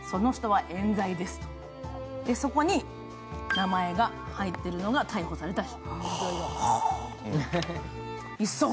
名前が入っているのが逮捕された人。